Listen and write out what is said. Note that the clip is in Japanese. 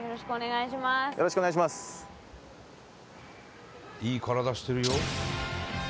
いい体してるよ。